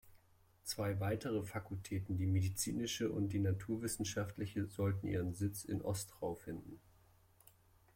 Zwei weitere Fakultäten, die medizinische und die naturwissenschaftliche, sollten ihren Sitz in Ostrau finden.